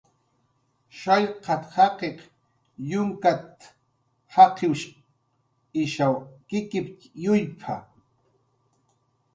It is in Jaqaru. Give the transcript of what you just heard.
"Shallqat"" jaqiq yunkat"" jaqiwsh ishaw kikip""tx yuyp""a "